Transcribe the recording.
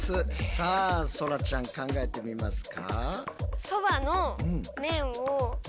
さあそらちゃん考えてみますか？